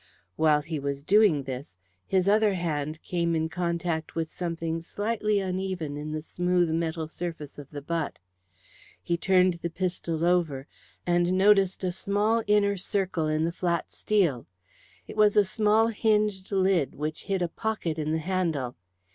While he was doing this his other hand came in contact with something slightly uneven in the smooth metal surface of the butt. He turned the pistol over, and noticed a small inner circle in the flat steel. It was a small hinged lid, which hid a pocket in the handle.